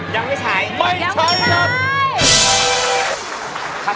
ยังไม่ใช้